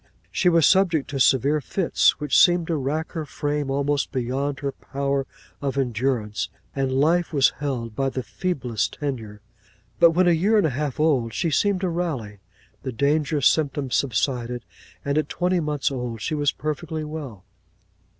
She was subject to severe fits, which seemed to rack her frame almost beyond her power of endurance: and life was held by the feeblest tenure: but when a year and a half old, she seemed to rally; the dangerous symptoms subsided; and at twenty months old, she was perfectly well.